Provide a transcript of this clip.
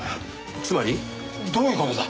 つまり？どういう事だ？